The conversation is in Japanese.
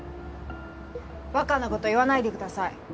バカなこと言わないでください。